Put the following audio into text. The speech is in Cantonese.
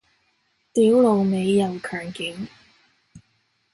屌老味又強檢